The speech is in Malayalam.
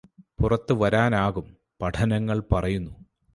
പുറത്ത് വരാനാകും പഠനങ്ങള് പറയുന്നു